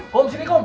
kum sini kum